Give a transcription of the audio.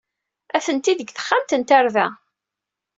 Atenti deg texxamt n tarda.